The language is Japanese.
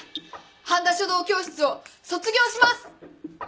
半田書道教室を卒業します！